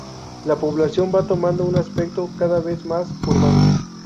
La población va tomando un aspecto cada vez más urbano.